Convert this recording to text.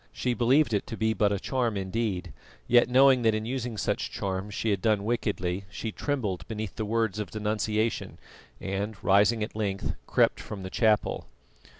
She believed it to be but a charm indeed, yet knowing that in using such charms she had done wickedly, she trembled beneath the words of denunciation, and rising at length, crept from the chapel.